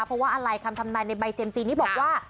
เพราะว่าอะไรคำทำนายในใบเซียมซีนี่บอกว่า